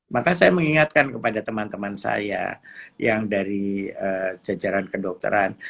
maka saya mengingatkan kepada teman teman saya yang dari jajaran kedokteran